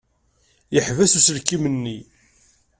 Yeḥbes uselkim-nni.